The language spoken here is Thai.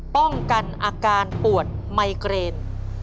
ป้องกันอาการปวดไมเกรน